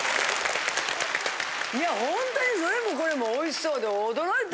いやホントにどれもこれもおいしそうで驚いた！